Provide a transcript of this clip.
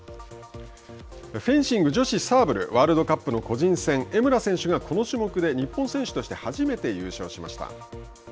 フェンシング女子サーブルワールドカップの個人戦江村選手がこの種目で日本選手として初めて優勝しました。